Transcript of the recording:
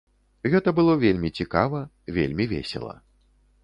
Гэта было вельмі цікава, вельмі весела.